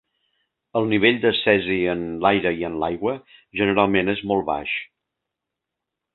El nivell de cesi en l'aire i en l'aigua generalment és molt baix.